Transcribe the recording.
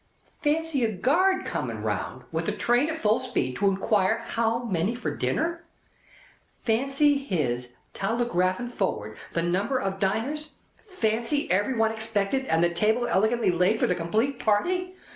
Fancy a guard coming round, with the train at full speed, to inquire how many for dinner. Fancy his telegraphing forward, the number of diners. Fancy every one expected, and the table elegantly laid for the complete party.